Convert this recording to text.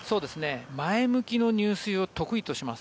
前向きの入水を得意とします。